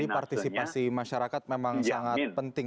jadi partisipasi masyarakat memang sangat penting